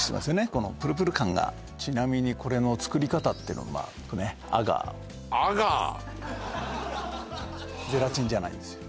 このプルプル感がちなみにこれの作り方っていうのアガーアガーゼラチンじゃないんですよ